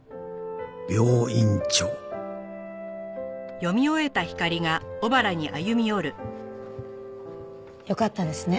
病院長」よかったですね